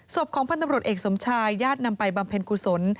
ศพของพันธ์ตำรวจเอกสมชายญาตินำไปบำเพ็ญกุศล